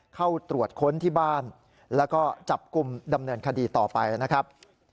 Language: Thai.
เข้าตรวจค้นที่บ้านแล้วก็จับกลุ่มดำเนินคดีต่อไปนะครับ